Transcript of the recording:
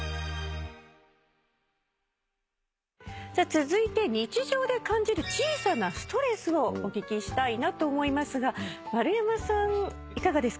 続いて日常で感じる小さなストレスをお聞きしたいなと思いますが丸山さんいかがですか？